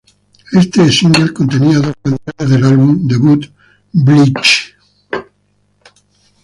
Éste single contenía dos canciones del álbum debut "Bleach".